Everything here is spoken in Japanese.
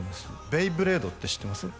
ベイブレードって知ってます？